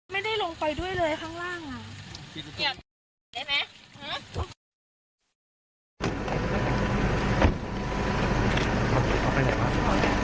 ไม่ได้ลงไปด้วยเลยข้างล่าง